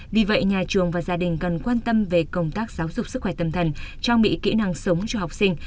vì vậy nhà trường và gia đình cần quan tâm về công tác giáo dục sức khỏe tâm thần trang bị kỹ năng sống cho học sinh